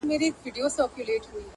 او درد د حقيقت برخه ده،